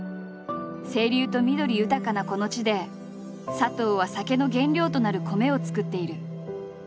清流と緑豊かなこの地で佐藤は酒の原料となる米を作っている。